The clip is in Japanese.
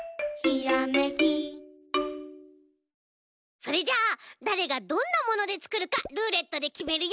それじゃあだれがどんなものでつくるかルーレットできめるよ！